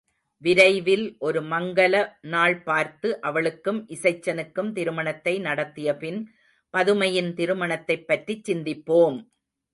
விரைவில் ஒரு மங்கல நாள் பார்த்து அவளுக்கும் இசைச்சனுக்கும் திருமணத்தை நடத்தியபின் பதுமையின் திருமணத்தைப் பற்றிச் சிந்திப்போம்!